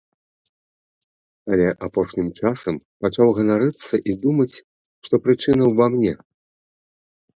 Але апошнім часам пачаў ганарыцца і думаць, што прычына ўва мне.